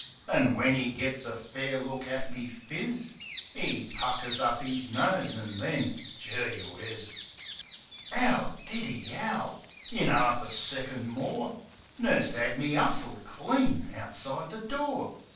An' when 'e gits a fair look at me phiz 'E puckers up 'is nose, an' then — Geewhizz! 'Ow did 'e 'owl! In 'arf a second more Nurse 'ad me 'ustled clean outside the door.